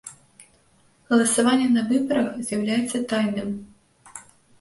Галасаванне на выбарах з’яўляецца тайным.